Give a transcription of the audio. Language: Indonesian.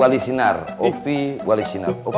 allahu akbar allahu akbar